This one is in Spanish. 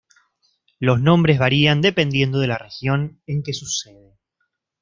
Los nombres varían dependiendo de la región en que sucede.